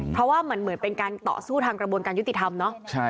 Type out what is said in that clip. เพราะว่าเหมือนเป็นการต่อสู้ทางกระบวนการยุติธรรมเนาะ